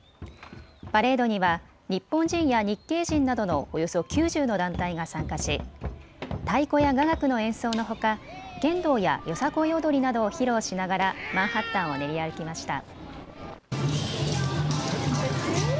パレードには日本人や日系人などのおよそ９０の団体が参加し太鼓や雅楽の演奏のほか剣道やよさこい踊りなどを披露しながらマンハッタンを練り歩きました。